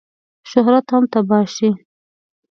شهرت هم تباه شي.